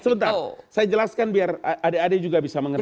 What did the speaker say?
sebentar saya jelaskan biar adik adik juga bisa mengerti